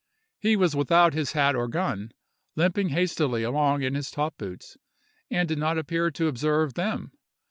He was without his hat or gun, limping hastily along in his top boots, and did not appear to observe them.